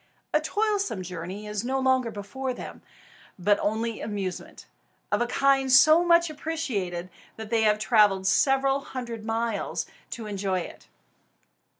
A toilsome journey is no longer before them; but only amusement, of a kind so much appreciated that they have travelled several hundred miles to enjoy it.